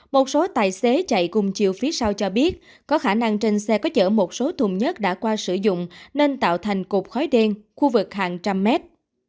một số tài xế chạy cùng chiều phía sau cho biết có khả năng trên xe có chở một số thùng nhất đã qua sử dụng nên tạo thành cột khói đen khu vực hàng trăm mét